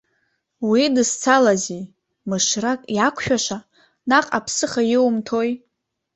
Уидызцалазеи, мышрак иақәшәаша, наҟ аԥсыха иумҭои!